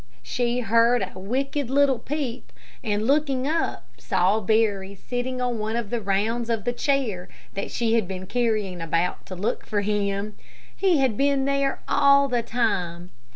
She heard a wicked, little peep, and looking up, saw Barry sitting on one of the rounds of the chair that she had been carrying about to look for him. He had been there all the time.